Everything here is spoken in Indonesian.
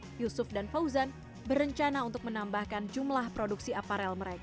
pak yusuf dan fauzan berencana untuk menambahkan jumlah produksi aparel mereka